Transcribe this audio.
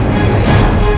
aku ingin menemukanmu